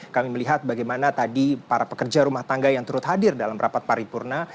kami melihat bagaimana tadi para pekerja rumah tangga yang turut hadir dalam rapat paripurna